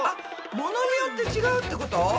ものによってちがうってこと？